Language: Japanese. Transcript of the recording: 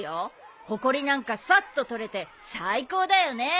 ほこりなんかさっと取れて最高だよね。